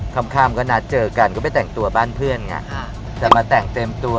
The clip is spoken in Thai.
ค่ำก็นัดเจอกันก็ไปแต่งตัวบ้านเพื่อนไงแต่มาแต่งเต็มตัว